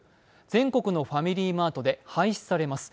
全国のファミリーマートで廃止されます。